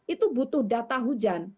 itu butuh data hujan